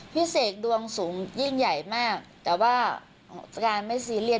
เสกดวงสูงยิ่งใหญ่มากแต่ว่าการไม่ซีเรียส